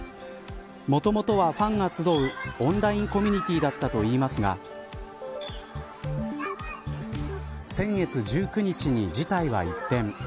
もともとは、ファンが集うオンラインコミュニティーだったといいますが先月１９日に事態は一転。